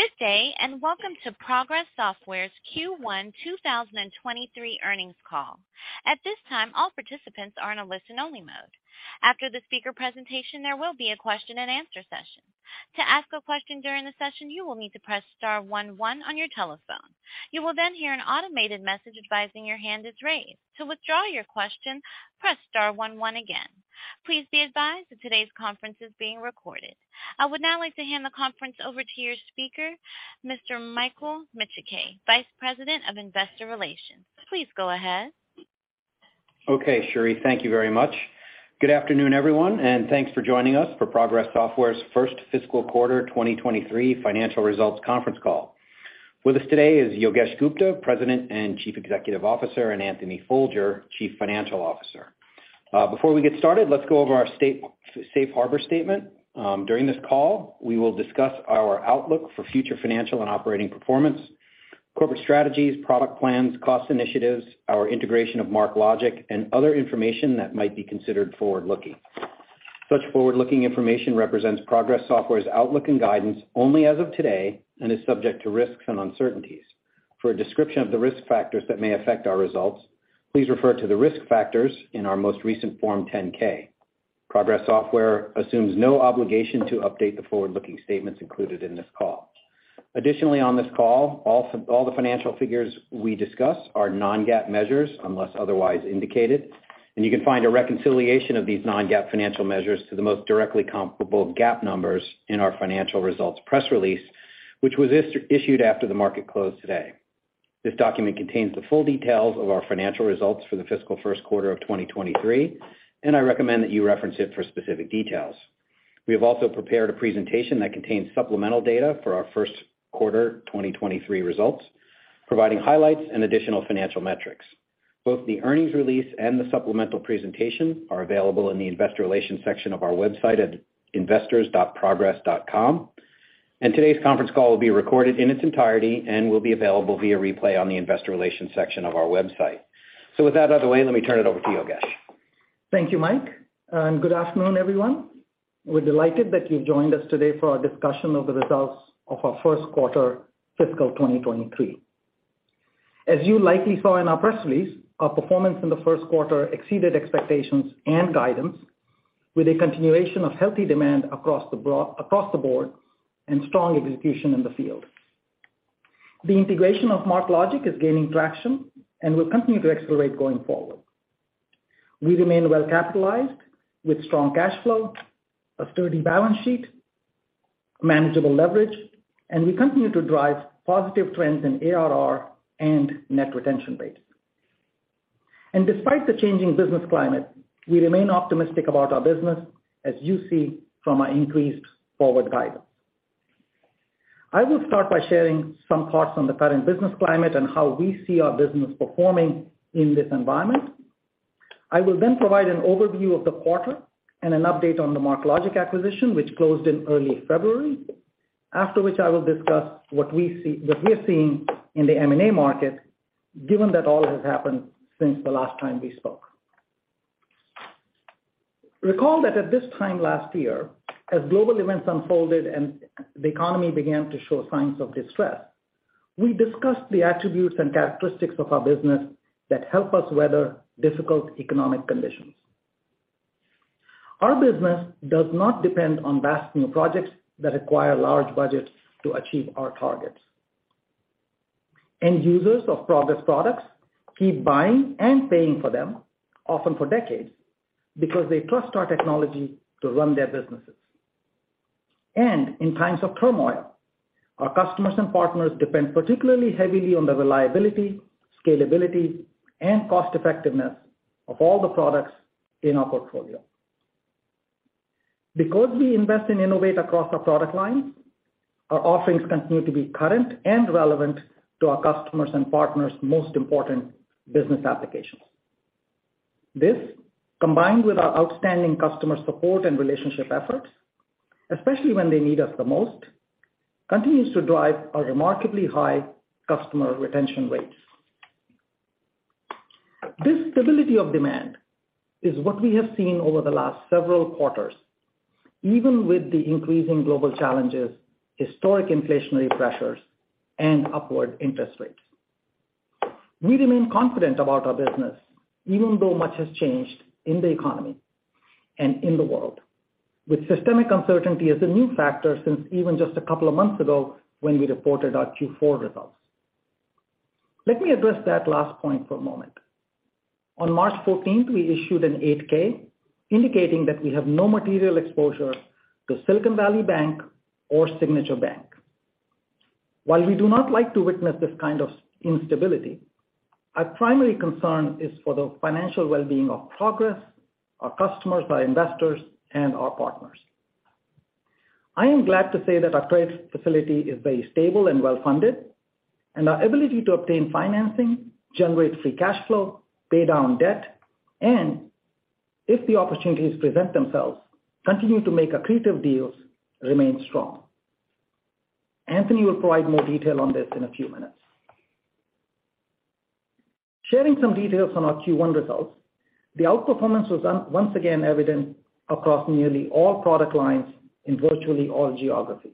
Good day, welcome to Progress Software's Q1 2023 earnings call. At this time, all participants are in a listen only mode. After the speaker presentation, there will be a question and answer session. To ask a question during the session, you will need to press star one one on your telephone. You will hear an automated message advising your hand is raised. To withdraw your question, press star one one again. Please be advised that today's conference is being recorded. I would now like to hand the conference over to your speaker, Mr. Michael Micciche, Vice President of Investor Relations. Please go ahead. Okay, Sherry, thank you very much. Good afternoon, everyone, thanks for joining us for Progress Software's first fiscal quarter 2023 financial results conference call. With us today is Yogesh Gupta, President and Chief Executive Officer, and Anthony Folger, Chief Financial Officer. Before we get started, let's go over our safe harbor statement. During this call, we will discuss our outlook for future financial and operating performance, corporate strategies, product plans, cost initiatives, our integration of MarkLogic, and other information that might be considered forward-looking. Such forward-looking information represents Progress Software's outlook and guidance only as of today and is subject to risks and uncertainties. For a description of the risk factors that may affect our results, please refer to the risk factors in our most recent Form 10-K. Progress Software assumes no obligation to update the forward-looking statements included in this call. Additionally, on this call, all the financial figures we discuss are non-GAAP measures unless otherwise indicated. You can find a reconciliation of these non-GAAP financial measures to the most directly comparable GAAP numbers in our financial results press release, which was issued after the market closed today. This document contains the full details of our financial results for the fiscal first quarter of 2023, and I recommend that you reference it for specific details. We have also prepared a presentation that contains supplemental data for our first quarter 2023 results, providing highlights and additional financial metrics. Both the earnings release and the supplemental presentation are available in the investor relations section of our website at investors.progress.com. Today's conference call will be recorded in its entirety and will be available via replay on the investor relations section of our website. With that out of the way, let me turn it over to Yogesh. Thank you, Mike, and good afternoon, everyone. We're delighted that you've joined us today for our discussion of the results of our first quarter fiscal 2023. As you likely saw in our press release, our performance in the first quarter exceeded expectations and guidance with a continuation of healthy demand across the board and strong execution in the field. The integration of MarkLogic is gaining traction and will continue to accelerate going forward. We remain well-capitalized with strong cash flow, a sturdy balance sheet, manageable leverage. We continue to drive positive trends in ARR and net retention rates. Despite the changing business climate, we remain optimistic about our business, as you see from our increased forward guidance. I will start by sharing some thoughts on the current business climate and how we see our business performing in this environment. I will provide an overview of the quarter and an update on the MarkLogic acquisition, which closed in early February. I will discuss what we're seeing in the M&A market, given that all has happened since the last time we spoke. Recall that at this time last year, as global events unfolded and the economy began to show signs of distress, we discussed the attributes and characteristics of our business that help us weather difficult economic conditions. Our business does not depend on vast new projects that require large budgets to achieve our targets. End users of Progress products keep buying and paying for them, often for decades, because they trust our technology to run their businesses. In times of turmoil, our customers and partners depend particularly heavily on the reliability, scalability, and cost-effectiveness of all the products in our portfolio. We invest and innovate across our product lines, our offerings continue to be current and relevant to our customers' and partners' most important business applications. This, combined with our outstanding customer support and relationship efforts, especially when they need us the most, continues to drive our remarkably high customer retention rates. This stability of demand is what we have seen over the last several quarters, even with the increasing global challenges, historic inflationary pressures, and upward interest rates. We remain confident about our business, even though much has changed in the economy and in the world, with systemic uncertainty as a new factor since even just a couple of months ago when we reported our Q4 results. Let me address that last point for a moment. On March 14th, we issued an 8-K indicating that we have no material exposure to Silicon Valley Bank or Signature Bank. While we do not like to witness this kind of instability, our primary concern is for the financial well-being of Progress, our customers, our investors, and our partners. I am glad to say that our credit facility is very stable and well-funded. Our ability to obtain financing, generate free cash flow, pay down debt, and if the opportunities present themselves, continue to make accretive deals remains strong. Anthony will provide more detail on this in a few minutes. Sharing some details on our Q1 results. The outperformance was once again evident across nearly all product lines in virtually all geographies.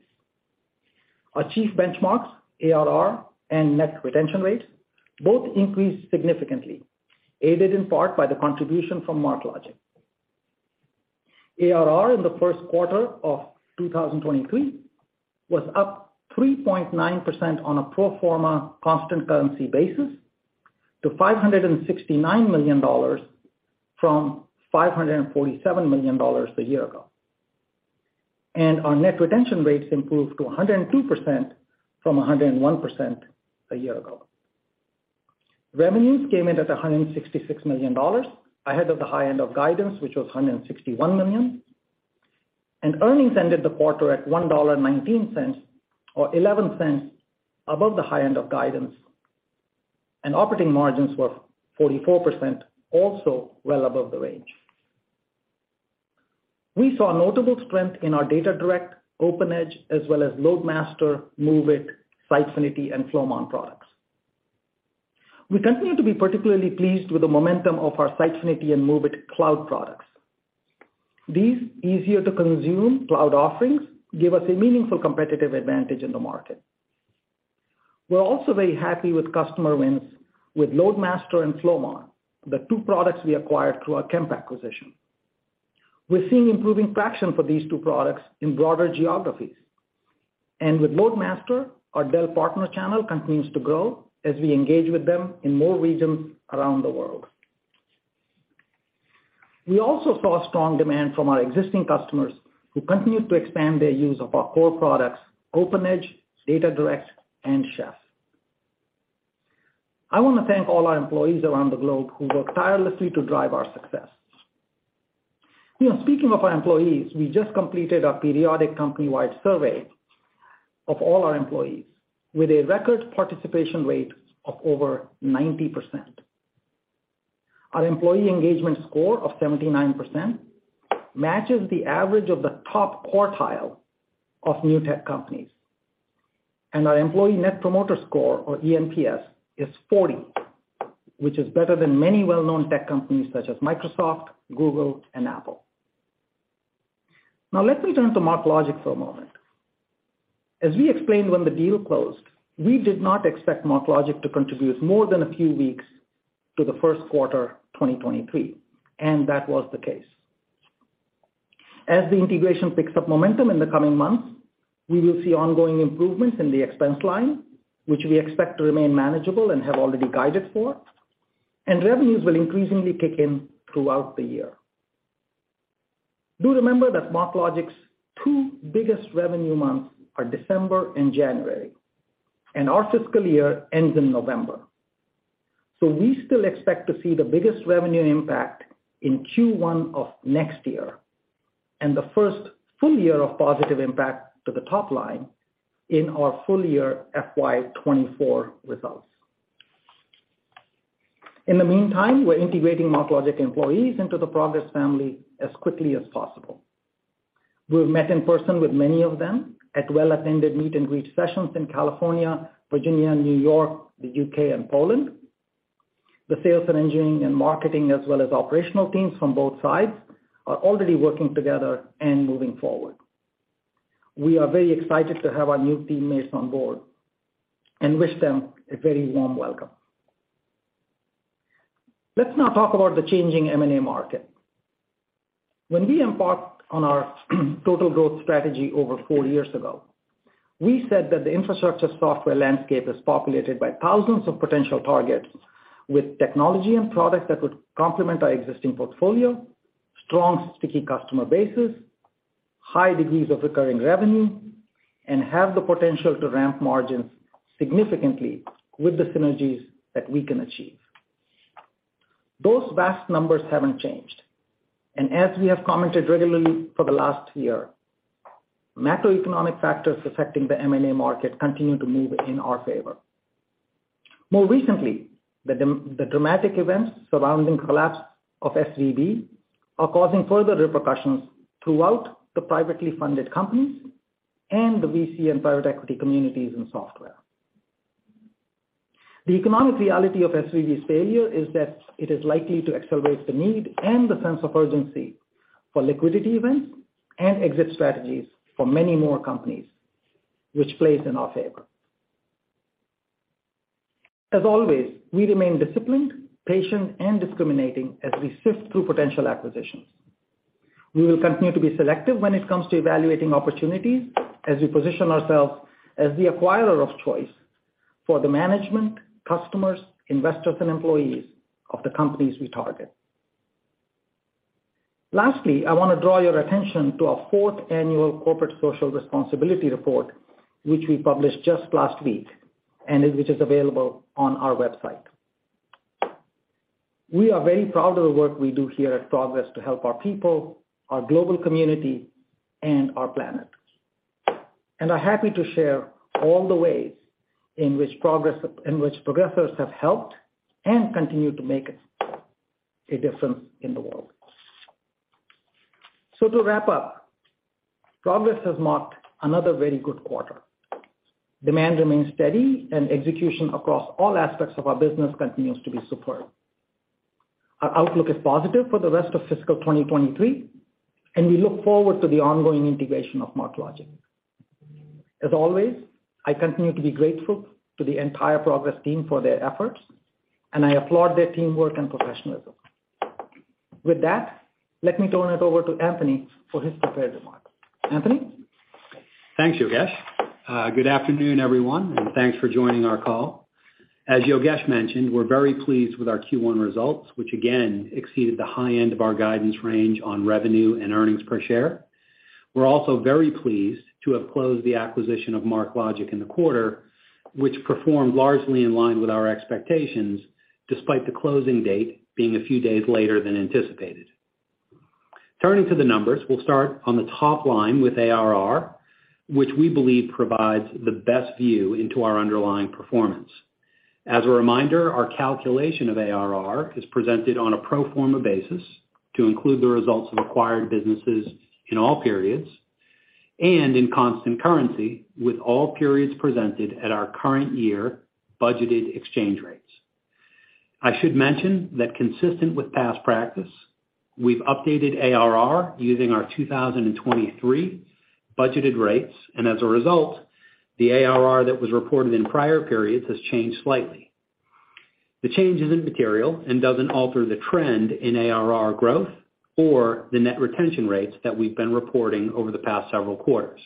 Our chief benchmarks, ARR and net retention rate, both increased significantly, aided in part by the contribution from MarkLogic. ARR in the first quarter of 2023 was up 3.9% on a pro forma constant currency basis to $569 million from $547 million a year ago. Our net retention rates improved to 102% from 101% a year ago. Revenues came in at $166 million, ahead of the high end of guidance, which was $161 million. Earnings ended the quarter at $1.19, or $0.11 above the high end of guidance. Operating margins were 44%, also well above the range. We saw notable strength in our DataDirect, OpenEdge, as well as LoadMaster, MOVEit, Sitefinity and Flowmon products. We continue to be particularly pleased with the momentum of our Sitefinity and MOVEit cloud products. These easier to consume cloud offerings give us a meaningful competitive advantage in the market. We're also very happy with customer wins with LoadMaster and Flowmon, the two products we acquired through our Kemp acquisition. We're seeing improving traction for these two products in broader geographies. With LoadMaster, our Dell partner channel continues to grow as we engage with them in more regions around the world. We also saw strong demand from our existing customers who continue to expand their use of our core products, OpenEdge, DataDirect, and Chef. I wanna thank all our employees around the globe who work tirelessly to drive our success. You know, speaking of our employees, we just completed our periodic company-wide survey of all our employees with a record participation rate of over 90%. Our employee engagement score of 79% matches the average of the top quartile of new tech companies. Our employee Net Promoter Score, or eNPS, is 40, which is better than many well-known tech companies such as Microsoft, Google, and Apple. Let me turn to MarkLogic for a moment. As we explained when the deal closed, we did not expect MarkLogic to contribute more than a few weeks to the first quarter, 2023, and that was the case. As the integration picks up momentum in the coming months, we will see ongoing improvements in the expense line, which we expect to remain manageable and have already guided for, and revenues will increasingly kick in throughout the year. Do remember that MarkLogic's two biggest revenue months are December and January, and our fiscal year ends in November. We still expect to see the biggest revenue impact in Q1 of next year, and the first full year of positive impact to the top line in our full year FY 2024 results. In the meantime, we're integrating MarkLogic employees into the Progress family as quickly as possible. We've met in person with many of them at well-attended meet and greet sessions in California, Virginia, New York, the U.K. and Poland. The sales and engineering and marketing as well as operational teams from both sides are already working together and moving forward. We are very excited to have our new teammates on board and wish them a very warm welcome. Let's now talk about the changing M&A market. When we embarked on our total growth strategy over four years ago, we said that the infrastructure software landscape is populated by thousands of potential targets with technology and products that would complement our existing portfolio, strong, sticky customer bases, high degrees of recurring revenue, and have the potential to ramp margins significantly with the synergies that we can achieve. Those vast numbers haven't changed. As we have commented regularly for the last year, macroeconomic factors affecting the M&A market continue to move in our favor. More recently, the dramatic events surrounding collapse of SVB are causing further repercussions throughout the privately funded companies and the VC and private equity communities and software. The economic reality of SVB's failure is that it is likely to accelerate the need and the sense of urgency for liquidity events and exit strategies for many more companies, which plays in our favor. As always, we remain disciplined, patient and discriminating as we sift through potential acquisitions. We will continue to be selective when it comes to evaluating opportunities as we position ourselves as the acquirer of choice for the management, customers, investors and employees of the companies we target. Lastly, I wanna draw your attention to our fourth annual corporate social responsibility report, which we published just last week, which is available on our website. We are very proud of the work we do here at Progress to help our people, our global community, and our planet. Are happy to share all the ways in which Progressers have helped and continue to make a difference in the world. To wrap up, Progress has marked another very good quarter. Demand remains steady and execution across all aspects of our business continues to be superb. Our outlook is positive for the rest of fiscal 2023, and we look forward to the ongoing integration of MarkLogic. As always, I continue to be grateful to the entire Progress team for their efforts, and I applaud their teamwork and professionalism. With that, let me turn it over to Anthony for his prepared remarks. Anthony? Thanks, Yogesh. Good afternoon, everyone, thanks for joining our call. As Yogesh mentioned, we're very pleased with our Q1 results, which again exceeded the high end of our guidance range on revenue and earnings per share. We're also very pleased to have closed the acquisition of MarkLogic in the quarter, which performed largely in line with our expectations despite the closing date being a few days later than anticipated. Turning to the numbers, we'll start on the top line with ARR, which we believe provides the best view into our underlying performance. As a reminder, our calculation of ARR is presented on a pro forma basis to include the results of acquired businesses in all periods and in constant currency with all periods presented at our current year budgeted exchange rates. I should mention that consistent with past practice, we've updated ARR using our 2023 budgeted rates, and as a result, the ARR that was reported in prior periods has changed slightly. The change is immaterial and doesn't alter the trend in ARR growth or the net retention rates that we've been reporting over the past several quarters.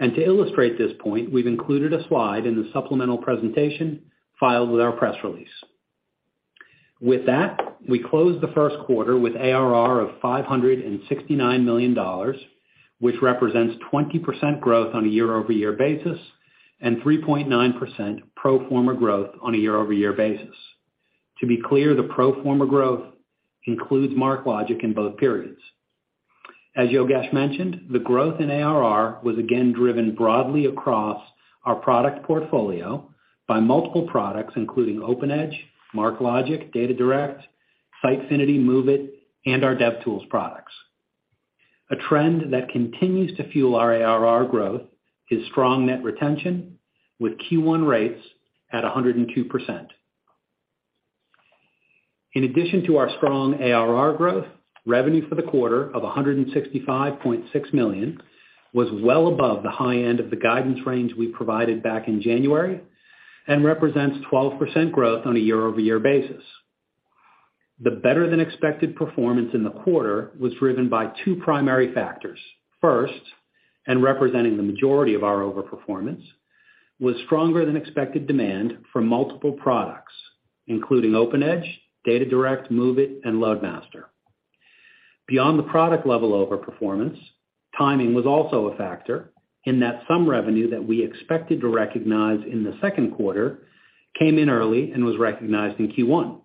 To illustrate this point, we've included a slide in the supplemental presentation filed with our press release. With that, we closed the first quarter with ARR of $569 million, which represents 20% growth on a year-over-year basis, and 3.9% pro forma growth on a year-over-year basis. To be clear, the pro forma growth includes MarkLogic in both periods. As Yogesh mentioned, the growth in ARR was again driven broadly across our product portfolio by multiple products including OpenEdge, MarkLogic, DataDirect, Sitefinity, MOVEit, and our DevTools products. A trend that continues to fuel our ARR growth is strong net retention with Q1 rates at 102%. In addition to our strong ARR growth, revenue for the quarter of $165.6 million was well above the high end of the guidance range we provided back in January and represents 12% growth on a year-over-year basis. The better-than-expected performance in the quarter was driven by two primary factors. First, and representing the majority of our overperformance, was stronger than expected demand for multiple products, including OpenEdge, DataDirect, MOVEit, and LoadMaster. Beyond the product level overperformance, timing was also a factor in that some revenue that we expected to recognize in the second quarter came in early and was recognized in Q1.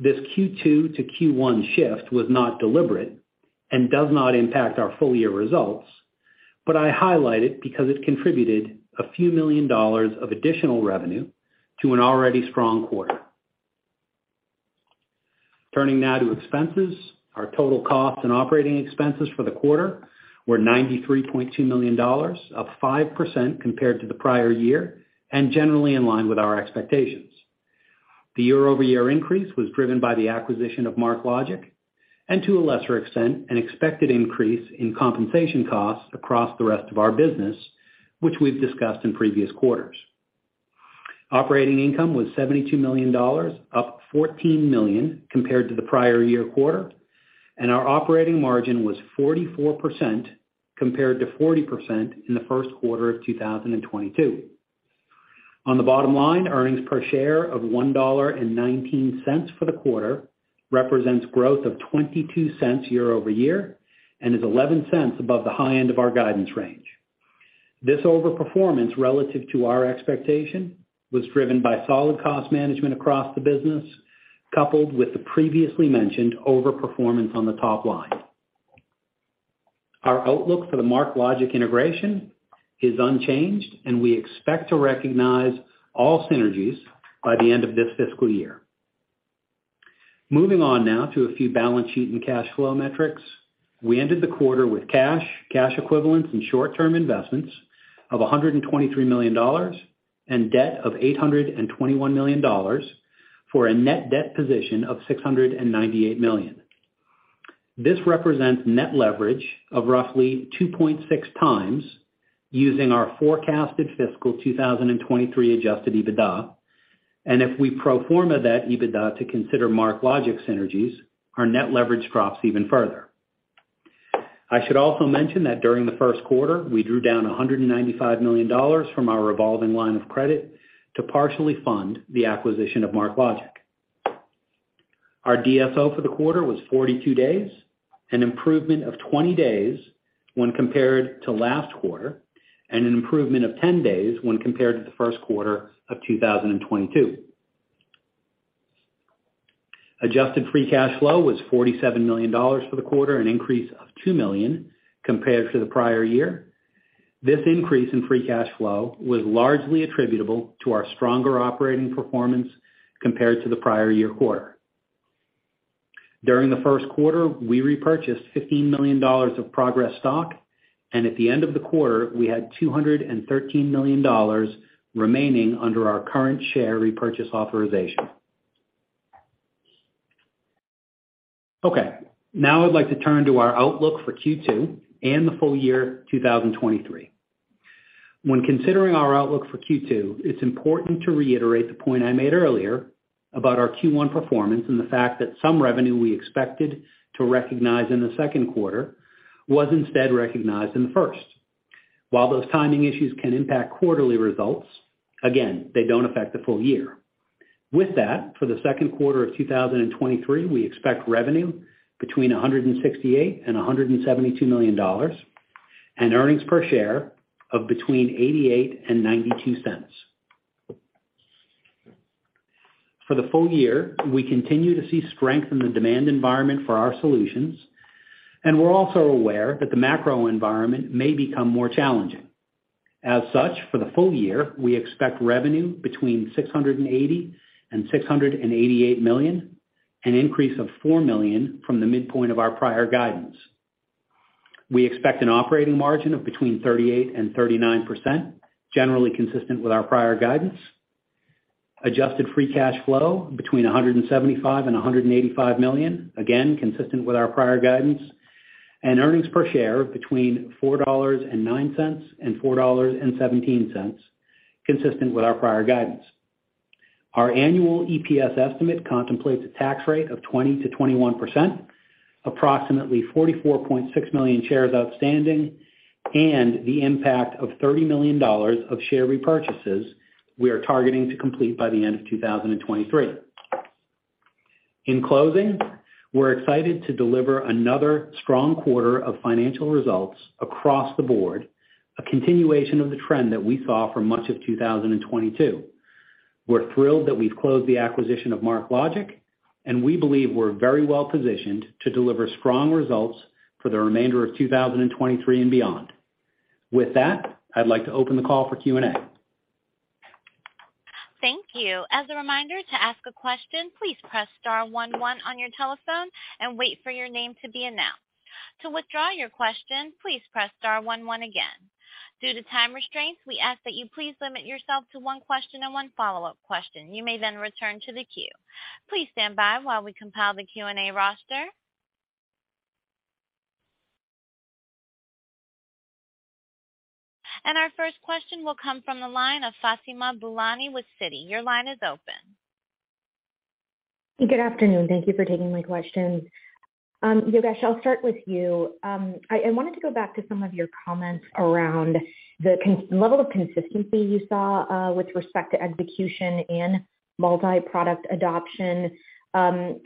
This Q2 to Q1 shift was not deliberate and does not impact our full-year results, but I highlight it because it contributed a few million dollars of additional revenue to an already strong quarter. Turning now to expenses. Our total cost and operating expenses for the quarter were $93.2 million, up 5% compared to the prior year, and generally in line with our expectations. The year-over-year increase was driven by the acquisition of MarkLogic and, to a lesser extent, an expected increase in compensation costs across the rest of our business, which we've discussed in previous quarters. Operating income was $72 million, up $14 million compared to the prior year quarter. Our operating margin was 44% compared to 40% in the first quarter of 2022. On the bottom line, earnings per share of $1.19 for the quarter represents growth of $0.22 year-over-year and is $0.11 above the high end of our guidance range. This overperformance relative to our expectation was driven by solid cost management across the business, coupled with the previously mentioned overperformance on the top line. Our outlook for the MarkLogic integration is unchanged. We expect to recognize all synergies by the end of this fiscal year. Moving on now to a few balance sheet and cash flow metrics. We ended the quarter with cash equivalents, and short-term investments of $123 million and debt of $821 million for a net debt position of $698 million. This represents net leverage of roughly 2.6x using our forecasted fiscal 2023 adjusted EBITDA. If we pro forma that EBITDA to consider MarkLogic synergies, our net leverage drops even further. I should also mention that during the first quarter, we drew down $195 million from our revolving line of credit to partially fund the acquisition of MarkLogic. Our DSO for the quarter was 42 days, an improvement of 20 days when compared to last quarter, and an improvement of 10 days when compared to the first quarter of 2022. Adjusted free cash flow was $47 million for the quarter, an increase of $2 million compared to the prior year. This increase in free cash flow was largely attributable to our stronger operating performance compared to the prior year quarter. During the first quarter, we repurchased $15 million of Progress stock, and at the end of the quarter, we had $213 million remaining under our current share repurchase authorization. Now I'd like to turn to our outlook for Q2 and the full year, 2023. When considering our outlook for Q2, it's important to reiterate the point I made earlier about our Q1 performance and the fact that some revenue we expected to recognize in the second quarter was instead recognized in the first. While those timing issues can impact quarterly results, again, they don't affect the full year. With that, for the second quarter of 2023, we expect revenue between $168 million and $172 million, and EPS of between $0.88 and $0.92. For the full year, we continue to see strength in the demand environment for our solutions, and we're also aware that the macro environment may become more challenging. As such, for the full year, we expect revenue between $680 million and $688 million, an increase of $4 million from the midpoint of our prior guidance. We expect an operating margin of between 38% and 39%, generally consistent with our prior guidance. adjusted free cash flow between $175 million and $185 million, again consistent with our prior guidance. Earnings per share between $4.09 and $4.17, consistent with our prior guidance. Our annual EPS estimate contemplates a tax rate of 20%-21%, approximately 44.6 million shares outstanding, and the impact of $30 million of share repurchases we are targeting to complete by the end of 2023. In closing, we're excited to deliver another strong quarter of financial results across the board, a continuation of the trend that we saw for much of 2022. We're thrilled that we've closed the acquisition of MarkLogic. We believe we're very well-positioned to deliver strong results for the remainder of 2023 and beyond. With that, I'd like to open the call for Q&A. Thank you. As a reminder to ask a question, please press star one one on your telephone and wait for your name to be announced. To withdraw your question, please press star one one again. Due to time restraints, we ask that you please limit yourself to one question and one follow-up question. You may then return to the queue. Please stand by while we compile the Q&A roster. Our first question will come from the line of Fatima Boolani with Citi. Your line is open. Good afternoon. Thank you for taking my questions. Yogesh, I'll start with you. I wanted to go back to some of your comments around the level of consistency you saw with respect to execution and multi-product adoption. I'm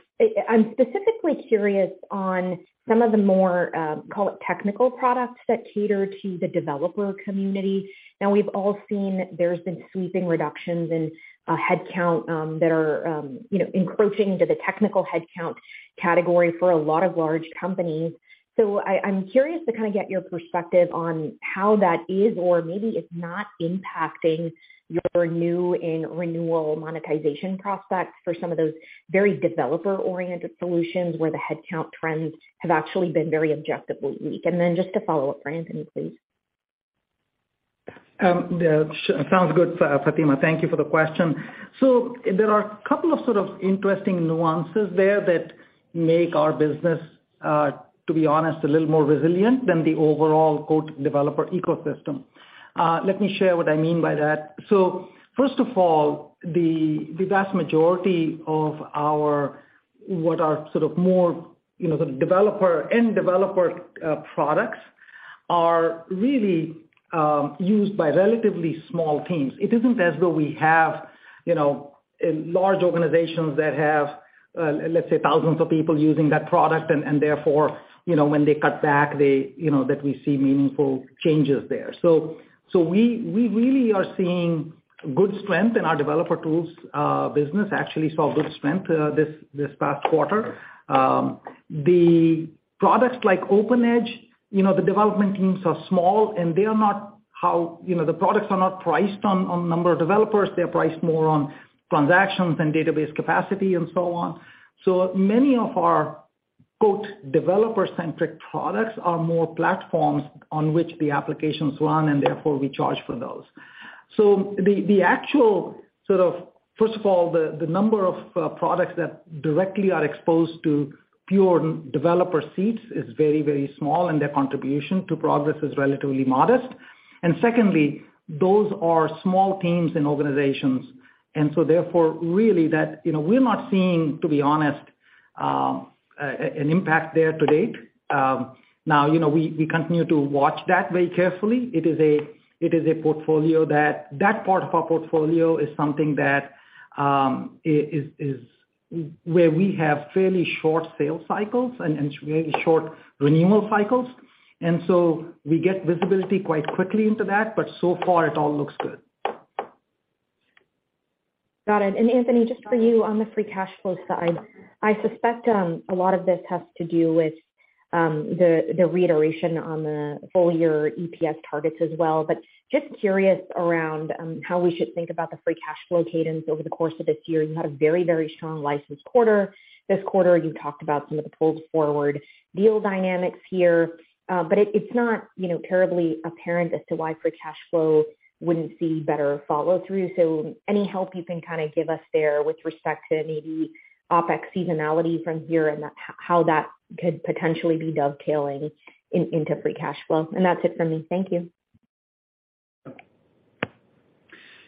specifically curious on some of the more, call it technical products that cater to the developer community. Now we've all seen there's been sweeping reductions in headcount that are, you know, encroaching to the technical headcount category for a lot of large companies. I'm curious to kinda get your perspective on how that is or maybe is not impacting your new and renewal monetization prospects for some of those very developer-oriented solutions where the headcount trends have actually been very objectively weak. Just a follow-up for Anthony, please. Yeah, sounds good, Fatima. Thank you for the question. There are a couple of sort of interesting nuances there that make our business, to be honest, a little more resilient than the overall code developer ecosystem. Let me share what I mean by that. First of all, the vast majority of our what are sort of more, you know, the developer, end developer products are really used by relatively small teams. It isn't as though we have, you know, large organizations that have, let's say, thousands of people using that product and therefore, you know, when they cut back, that we see meaningful changes there. We really are seeing good strength in our developer tools business. Actually saw good strength this past quarter. The products like OpenEdge, you know, the development teams are small, and you know, the products are not priced on number of developers. They're priced more on transactions and database capacity and so on. Many of our "developer-centric" products are more platforms on which the applications run, and therefore we charge for those. First of all, the number of products that directly are exposed to pure developer seats is very, very small, and their contribution to Progress is relatively modest. Secondly, those are small teams and organizations. Therefore, you know, we're not seeing, to be honest, an impact there to date. You know, we continue to watch that very carefully. It is a, it is a portfolio that part of our portfolio is something that, is where we have fairly short sales cycles and really short renewal cycles. We get visibility quite quickly into that. So far it all looks good. Got it. Anthony, just for you on the free cash flow side, I suspect a lot of this has to do with the reiteration on the full year EPS targets as well. Just curious around how we should think about the free cash flow cadence over the course of this year. You had a very strong license quarter. This quarter, you talked about some of the pulled forward deal dynamics here, but it's not, you know, terribly apparent as to why free cash flow wouldn't see better follow through. Any help you can kind of give us there with respect to maybe OpEx seasonality from here and that, how that could potentially be dovetailing into free cash flow? That's it for me. Thank you.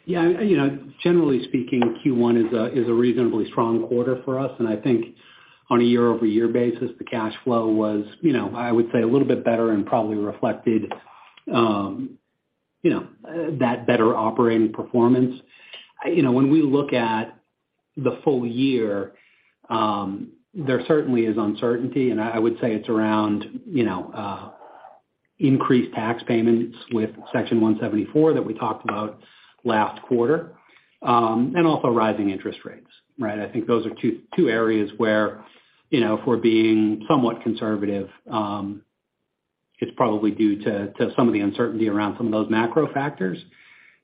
Yeah. You know, generally speaking, Q1 is a reasonably strong quarter for us. And I think on a year-over-year basis, the cash flow was, you know, I would say a little bit better and probably reflected, you know, that better operating performance. You know, when we look at the full year, there certainly is uncertainty, and I would say it's around, you know, increased tax payments with Section 174 that we talked about last quarter, and also rising interest rates, right? I think those are two areas where, you know, if we're being somewhat conservative, it's probably due to some of the uncertainty around some of those macro factors.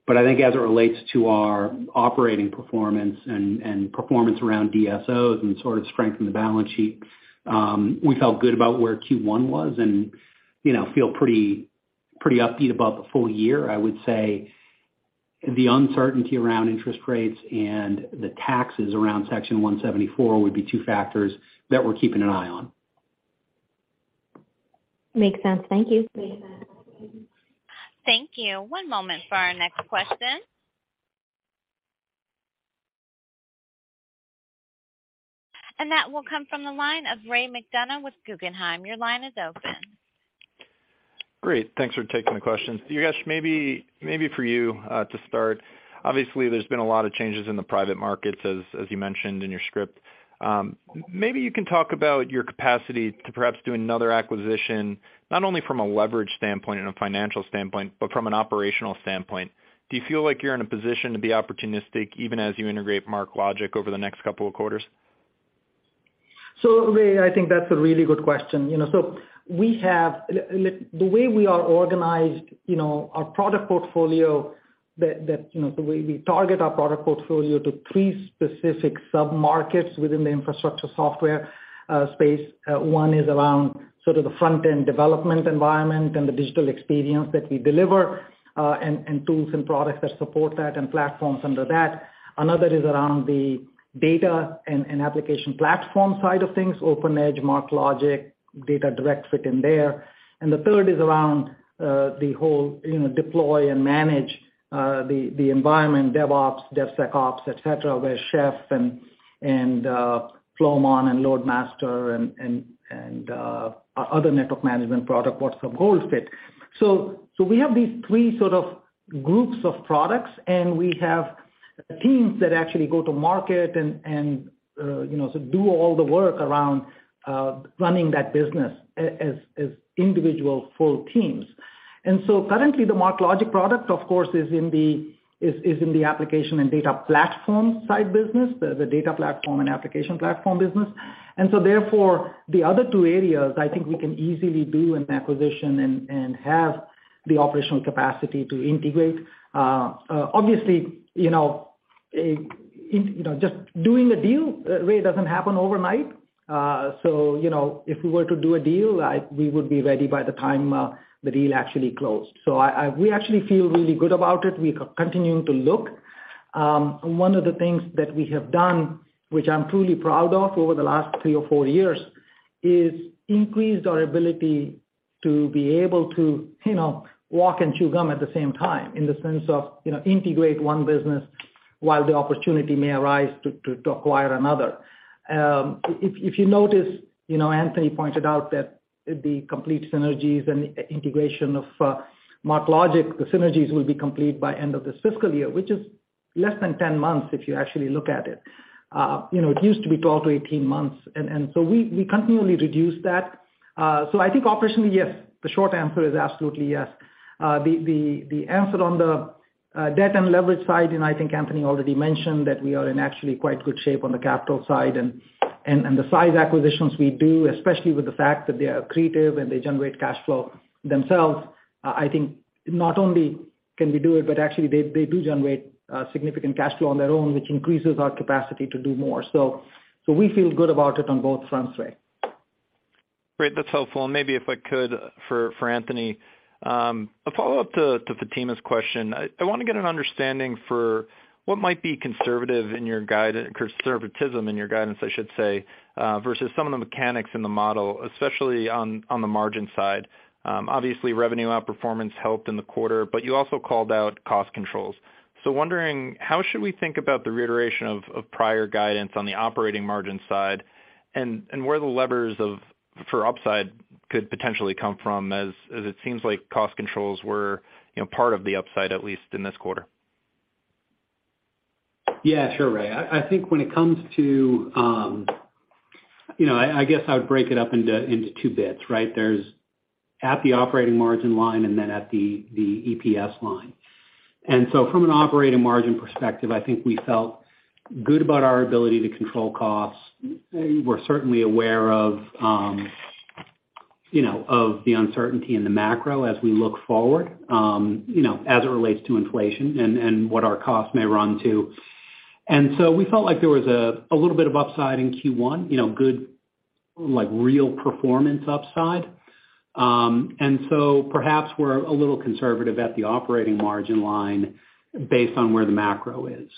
I think as it relates to our operating performance and performance around DSOs and sort of strength in the balance sheet, we felt good about where Q1 was and, you know, feel pretty upbeat about the full year. I would say the uncertainty around interest rates and the taxes around Section 174 would be two factors that we're keeping an eye on. Makes sense. Thank you. Thank you. One moment for our next question. That will come from the line of Ray McDonough with Guggenheim. Your line is open. Great. Thanks for taking the questions. Yogesh, maybe for you to start. Obviously, there's been a lot of changes in the private markets as you mentioned in your script. Maybe you can talk about your capacity to perhaps do another acquisition, not only from a leverage standpoint and a financial standpoint, but from an operational standpoint. Do you feel like you're in a position to be opportunistic even as you integrate MarkLogic over the next couple of quarters? Ray, I think that's a really good question. The way we are organized, you know, our product portfolio that, you know, the way we target our product portfolio to three specific sub-markets within the infrastructure software space. One is around sort of the front-end development environment and the digital experience that we deliver, and tools and products that support that and platforms under that. Another is around the data and application platform side of things, OpenEdge, MarkLogic, DataDirect fit in there. The third is around, the whole, you know, deploy and manage the environment, DevOps, DevSecOps, et cetera, where Chef and Flowmon and LoadMaster and other network management product ports of goals fit. We have these three sort of groups of products, and we have teams that actually go to market and, you know, so do all the work around running that business as individual full teams. currently, the MarkLogic product, of course, is in the application and data platform side business, the data platform and application platform business. the other two areas, I think we can easily do an acquisition and have the operational capacity to integrate. obviously, you know, you know, just doing a deal really doesn't happen overnight. you know, if we were to do a deal, we would be ready by the time the deal actually closed. we actually feel really good about it. We're continuing to look. One of the things that we have done, which I'm truly proud of over the last three or four years, is increased our ability to be able to, you know, walk and chew gum at the same time in the sense of, you know, integrate one business while the opportunity may arise to acquire another. If you notice, you know, Anthony pointed out that the complete synergies and integration of MarkLogic, the synergies will be complete by end of this fiscal year, which is less than 10 months if you actually look at it. You know, it used to be 12 to 18 months. So we continually reduce that. So I think operationally, yes, the short answer is absolutely yes. The answer on the debt and leverage side, and I think Anthony already mentioned that we are in actually quite good shape on the capital side. The size acquisitions we do, especially with the fact that they are accretive and they generate cash flow themselves, I think not only can we do it, but actually they do generate significant cash flow on their own, which increases our capacity to do more. We feel good about it on both fronts, Ray. Great. That's helpful. Maybe if I could for Anthony, a follow-up to Fatima's question. I wanna get an understanding for what might be conservative in your conservatism in your guidance, I should say, versus some of the mechanics in the model, especially on the margin side. Obviously, revenue outperformance helped in the quarter, but you also called out cost controls. Wondering how should we think about the reiteration of prior guidance on the operating margin side and where the levers of, for upside could potentially come from as it seems like cost controls were, you know, part of the upside, at least in this quarter? Yeah, sure, Ray. I think when it comes to...You know, I guess I would break it up into two bits, right? There's at the operating margin line and then at the EPS line. From an operating margin perspective, I think we felt good about our ability to control costs. We're certainly aware of, you know, of the uncertainty in the macro as we look forward, you know, as it relates to inflation and what our costs may run to. We felt like there was a little bit of upside in Q1, you know, good, like, real performance upside. Perhaps we're a little conservative at the operating margin line based on where the macro is.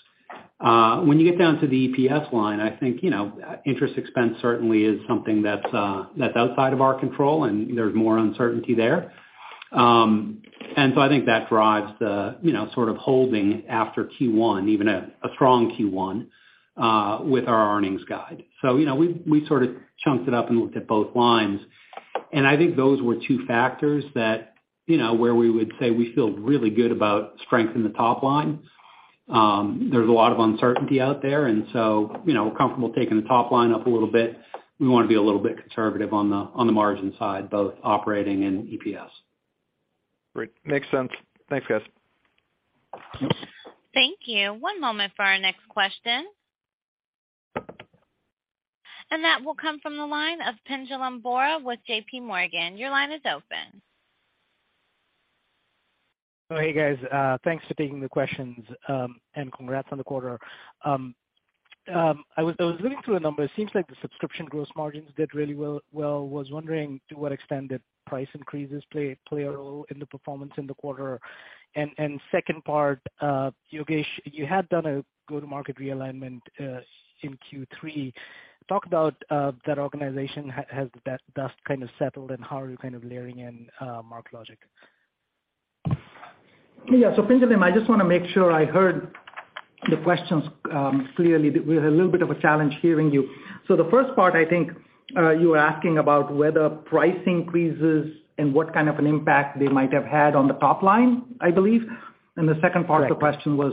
When you get down to the EPS line, I think, you know, interest expense certainly is something that's outside of our control, and there's more uncertainty there. I think that drives the, you know, sort of holding after Q1, even a strong Q1, with our earnings guide. You know, we sort of chunked it up and looked at both lines. I think those were two factors that, you know, where we would say we feel really good about strength in the top line. There's a lot of uncertainty out there and so, you know, comfortable taking the top line up a little bit. We wanna be a little bit conservative on the, on the margin side, both operating and EPS. Great. Makes sense. Thanks, guys. Thank you. One moment for our next question. That will come from the line of Pinjalim Bora with JPMorgan. Your line is open. Oh, hey, guys. Thanks for taking the questions, and congrats on the quarter. I was looking through the numbers. It seems like the subscription gross margins did really well. Was wondering to what extent did price increases play a role in the performance in the quarter? Second part, Yogesh, you had done a go-to-market realignment in Q3. Talk about that organization. Has that dust kind of settled, and how are you kind of layering in MarkLogic? Yeah. Pinjalim, I just wanna make sure I heard the questions clearly. We had a little bit of a challenge hearing you. The first part, I think, you were asking about whether price increases and what kind of an impact they might have had on the top line, I believe. Correct. The second part of the question was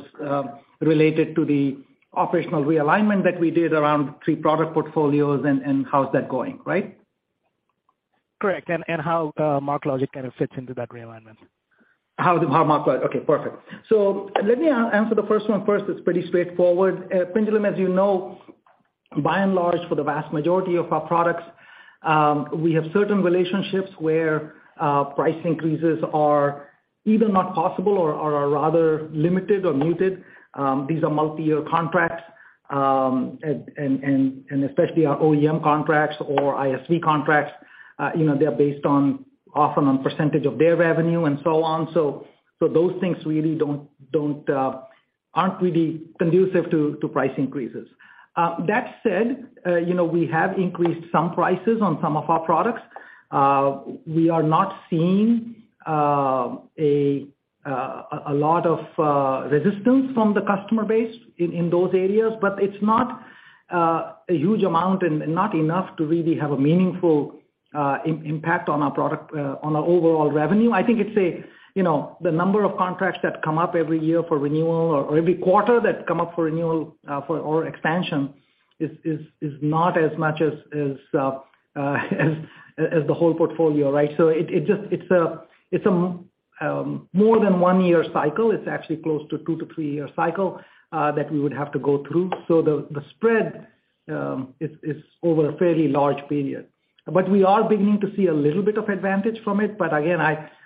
related to the operational realignment that we did around three product portfolios and how is that going, right? Correct. How MarkLogic kind of fits into that realignment? How MarkLogic. Okay. Perfect. Let me answer the first one first. It's pretty straightforward. Pinjalim, as you know, by and large, for the vast majority of our products, we have certain relationships where price increases are either not possible or are rather limited or muted. These are multiyear contracts, and especially our OEM contracts or ISV contracts, you know, they're based on often on percentage of their revenue and so on. Those things really don't aren't really conducive to price increases. That said, you know, we have increased some prices on some of our products. We are not seeing a lot of resistance from the customer base in those areas. It's not a huge amount and not enough to really have a meaningful impact on our product, on our overall revenue. I think it's a, you know, the number of contracts that come up every year for renewal or every quarter that come up for renewal or expansion is not as much as the whole portfolio, right? It just, it's a, it's more than one year cycle. It's actually close to two to three year cycle that we would have to go through. The spread is over a fairly large period. We are beginning to see a little bit of advantage from it. Again,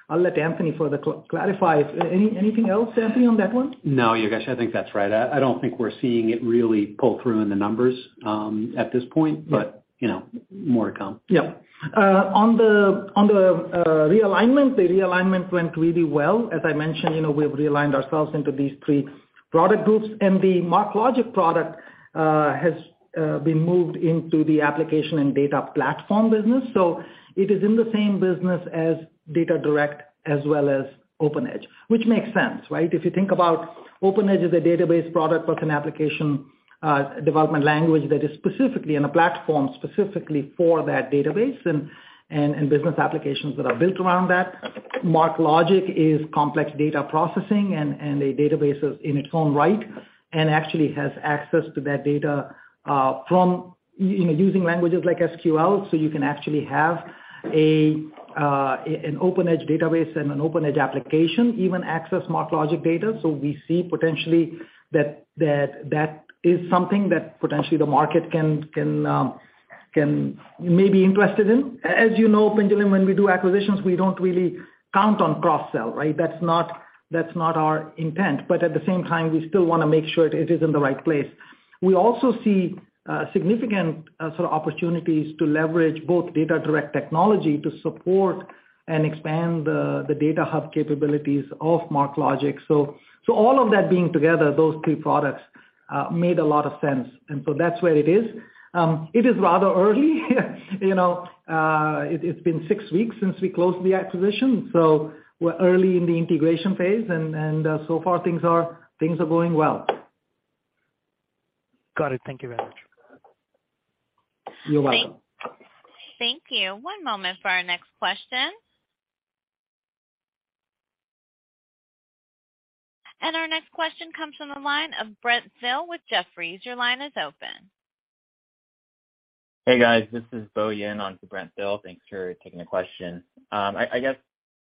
I'll let Anthony further clarify. Anything else, Anthony, on that one? No, Yogesh. I think that's right. I don't think we're seeing it really pull through in the numbers, at this point. Yeah. you know, more to come. Yeah. The realignment went really well. As I mentioned, you know, we've realigned ourselves into these three product groups. The MarkLogic product has been moved into the application and data platform business. It is in the same business as DataDirect as well as OpenEdge, which makes sense, right? If you think about OpenEdge is a database product, but an application development language that is specifically in a platform specifically for that database and business applications that are built around that. MarkLogic is complex data processing and a database is in its own right, and actually has access to that data from you know, using languages like SQL, so you can actually have an OpenEdge database and an OpenEdge application even access MarkLogic data. We see potentially that is something that potentially the market can may be interested in. As you know, Pinjalim, when we do acquisitions, we don't really count on cross-sell, right? That's not, that's not our intent. At the same time, we still wanna make sure it is in the right place. We also see significant sort of opportunities to leverage both DataDirect technology to support and expand the data hub capabilities of MarkLogic. All of that being together, those three products made a lot of sense. That's where it is. It is rather early. You know, it's been six weeks since we closed the acquisition, so we're early in the integration phase and so far things are going well. Got it. Thank you very much. You're welcome. Thank you. One moment for our next question. Our next question comes from the line of Brent Thill with Jefferies. Your line is open. Hey, guys. This is Bo Yin on for Brent Thill. Thanks for taking the question. I guess,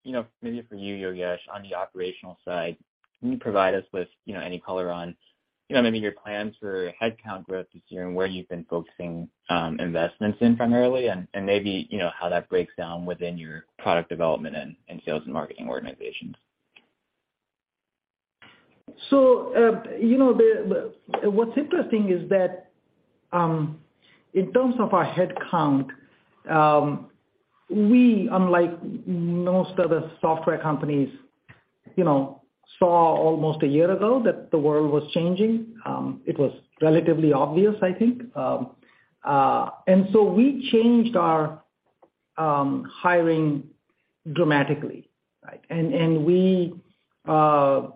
you know, maybe for you, Yogesh, on the operational side, can you provide us with, you know, any color on, you know, maybe your plans for headcount growth this year and where you've been focusing investments in primarily and maybe, you know, how that breaks down within your product development and sales and marketing organizations? You know, what's interesting is that, in terms of our headcount, we, unlike most other software companies, you know, saw almost a year ago that the world was changing. It was relatively obvious, I think. We changed our hiring dramatically, right? We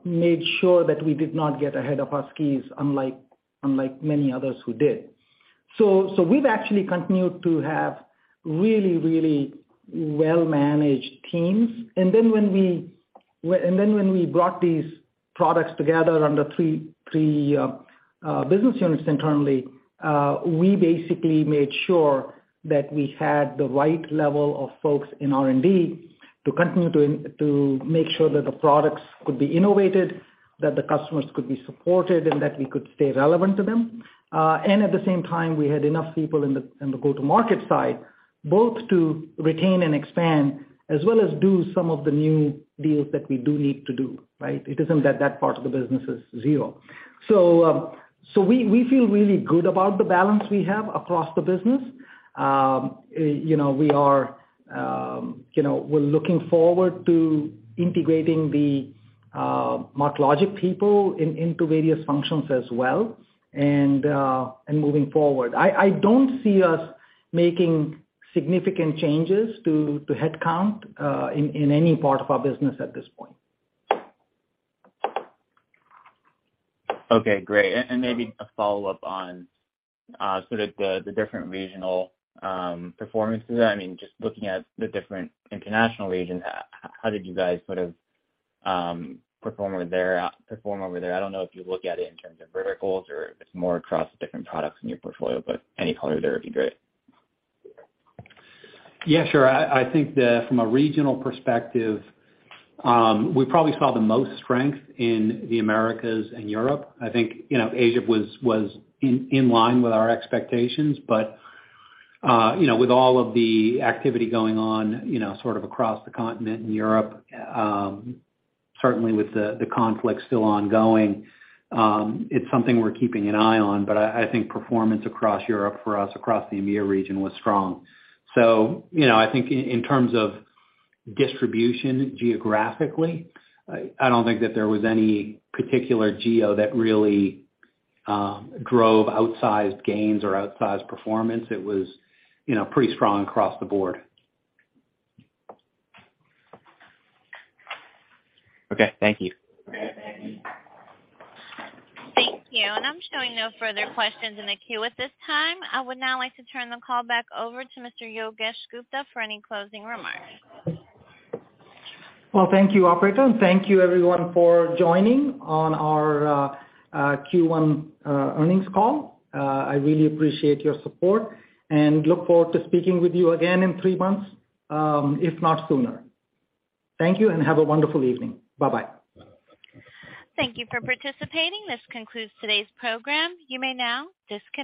made sure that we did not get ahead of our skis, unlike many others who did. So we've actually continued to have really, really well-managed teams. When we brought these products together under three business units internally, we basically made sure that we had the right level of folks in R&D to continue to make sure that the products could be innovated, that the customers could be supported, and that we could stay relevant to them. At the same time, we had enough people in the go-to-market side, both to retain and expand as well as do some of the new deals that we do need to do, right? It isn't that that part of the business is zero. We, we feel really good about the balance we have across the business. you know, we are, you know, we're looking forward to integrating the MarkLogic people into various functions as well and moving forward. I don't see us making significant changes to headcount in any part of our business at this point. Okay. Great. Maybe a follow-up on sort of the different regional performances. I mean, just looking at the different international regions, how did you guys sort of perform over there? I don't know if you look at it in terms of verticals or if it's more across different products in your portfolio, but any color there would be great. Yeah, sure. I think the, from a regional perspective, we probably saw the most strength in the Americas and Europe. I think, you know, Asia was in line with our expectations. You know, with all of the activity going on, you know, sort of across the continent in Europe, certainly with the conflict still ongoing, it's something we're keeping an eye on. I think performance across Europe for us, across the EMEA region was strong. You know, I think in terms of distribution geographically, I don't think that there was any particular geo that really drove outsized gains or outsized performance. It was, you know, pretty strong across the board. Okay. Thank you. Thank you. I'm showing no further questions in the queue at this time. I would now like to turn the call back over to Mr. Yogesh Gupta for any closing remarks. Well, thank you, operator, and thank you everyone for joining on our Q1 earnings call. I really appreciate your support and look forward to speaking with you again in three months, if not sooner. Thank you and have a wonderful evening. Bye-bye. Thank you for participating. This concludes today's program. You may now disconnect.